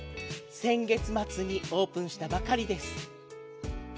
先月末にオープンしたばかりです。